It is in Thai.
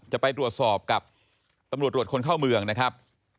จะไปตรวจสอบกับตำรวจตรวจคนเข้าเมืองนะครับ